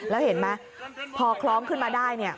แล้วเห็นไหมพอคล้องขึ้นมาได้เนี่ย